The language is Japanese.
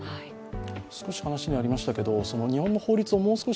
少し話にありましたけれど、日本の法律をもう少し